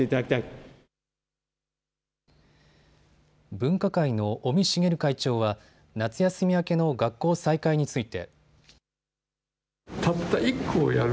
分科会の尾身茂会長は、夏休み明けの学校再開について。